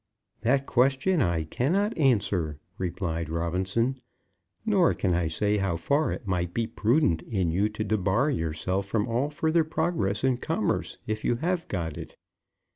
"That question I cannot answer," replied Robinson. "Nor can I say how far it might be prudent in you to debar yourself from all further progress in commerce if you have got it.